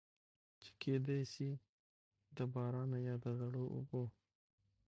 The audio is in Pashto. چې کېدے شي د بارانۀ يا د زړو اوبو